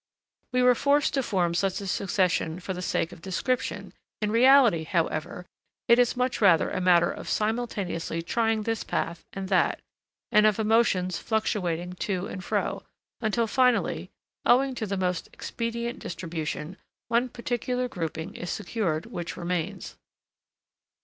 We were forced to form such a succession for the sake of description; in reality, however, it is much rather a matter of simultaneously trying this path and that, and of emotions fluctuating to and fro, until finally, owing to the most expedient distribution, one particular grouping is secured which remains.